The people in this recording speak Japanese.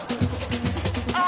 あ！